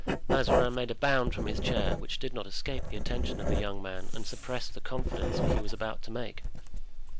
Mazarin made a bound from his chair, which did not escape the attention of the young man and suppressed the confidence he was about to make.